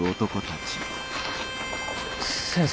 先生。